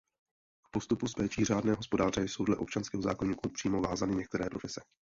K postupu s péčí řádného hospodáře jsou dle občanského zákoníku přímo vázány některé profese.